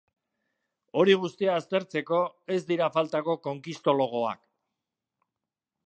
Hori guztia aztertzeko, ez dira faltako conquistologoak.